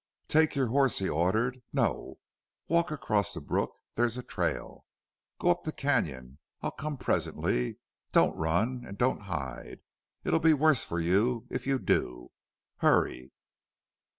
"Take your horse," he ordered. "No. Walk across the brook. There's a trail. Go up the canon. I'll come presently. Don't run and don't hide. It'll be the worse for you if you do. Hurry!"